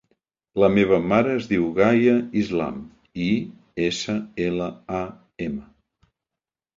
La meva mare es diu Gaia Islam: i, essa, ela, a, ema.